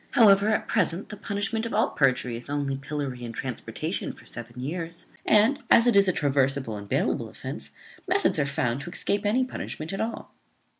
However, at present, the punishment of all perjury is only pillory and transportation for seven years; and, as it is a traversable and bailable offence, methods are found to escape any punishment at all."